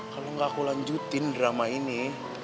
kalau nggak aku lanjutin drama ini